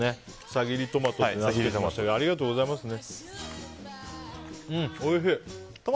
さひりトマトと名付けてましたがありがとうございました。